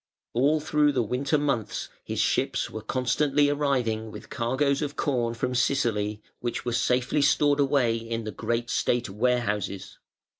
All through the winter months his ships were constantly arriving with cargoes of corn from Sicily, which were safely stored away in the great State warehouses.